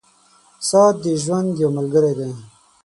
• ساعت د ژوند یو ملګری دی.